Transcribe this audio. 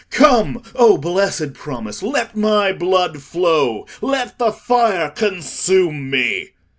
Come, O blessed promise! Let my blood flow; let the fire consume me!"